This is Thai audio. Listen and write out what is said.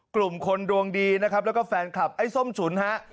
กลุ่มคนดวงดีนะครับแล้วก็แฟนคลับไอ้ส้มฉุนฮะ